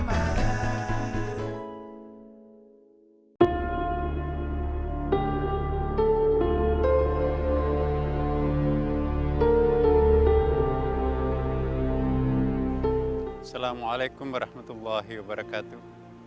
assalamualaikum warahmatullahi wabarakatuh